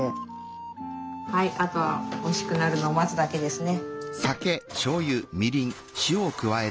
はいあとはおいしくなるのを待つだけですね。